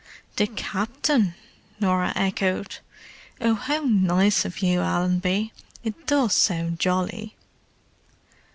"The Captain?" Norah echoed. "Oh, how nice of you, Allenby! It does sound jolly!"